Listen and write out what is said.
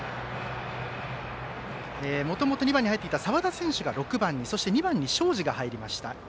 もともと２番に入っていた澤田選手が６番にそして２番に東海林が入りました。